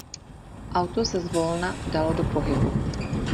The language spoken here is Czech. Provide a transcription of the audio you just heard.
Auto se zvolna dalo do pohybu.